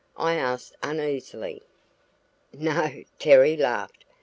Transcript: I asked uneasily. "No," Terry laughed.